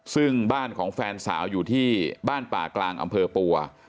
ซึ่งบ้านของแฟนสาวอยู่ที่บ้านป่ากลางอำเภอปัว